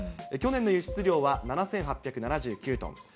去年の輸出量は７８７９トン。